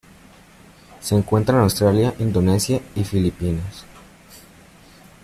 Se encuentra en Australia, Indonesia y Filipinas.